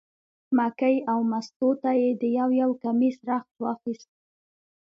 مکۍ او مستو ته یې د یو یو کمیس رخت واخیست.